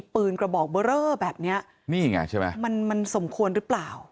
ปืนกระบอกเบอร์เรอแบบเนี้ยนี่ไงใช่ไหมมันมันสมควรหรือเปล่า